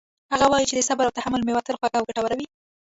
هغه وایي چې د صبر او تحمل میوه تل خوږه او ګټوره وي